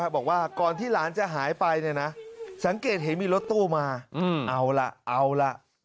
บอกว่าก่อนที่หลานจะหายไปสังเกตเห็นมีรถตู้มาเอาล่ะเอาล่ะ